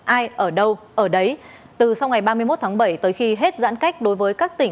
ai ở đâu ở đấy từ sau ngày ba mươi một tháng bảy tới khi hết giãn cách đối với các tỉnh